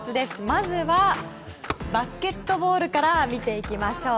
まずはバスケットボールから見ていきましょう。